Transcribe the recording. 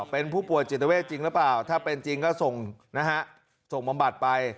เป็นผู้ป่วยจิตเวทจริงหรือเปล่าถ้าเป็นจริงก็ส่งนะฮะส่งบำบัดไป